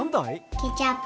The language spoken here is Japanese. ケチャップ。